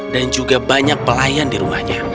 dan juga banyak pelayan di rumahnya